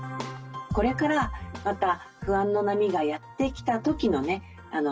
これからまた不安の波がやって来た時のね